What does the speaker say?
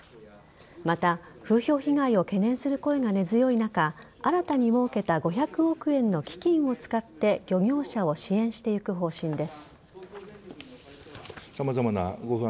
また、風評被害を懸念する声が根強い中新たに設けた５００億円の基金を使って漁業者を支援していく方針です。